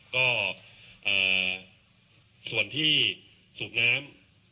ก็ส่วนที่สูบน้ำ